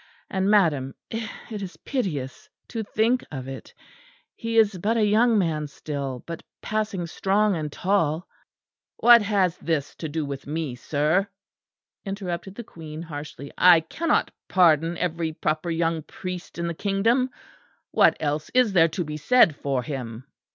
And, madam, it is piteous to think of it. He is but a young man still, but passing strong and tall." "What has this to do with me, sir?" interrupted the Queen harshly. "I cannot pardon every proper young priest in the kingdom. What else is there to be said for him?"